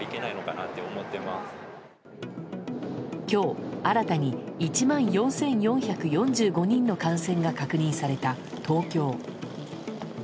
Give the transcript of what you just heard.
今日、新たに１万４４４５人の感染が確認された東京。